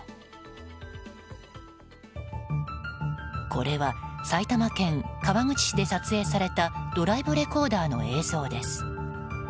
これは埼玉県川口市で撮影されたドライブレコーダーの映像です。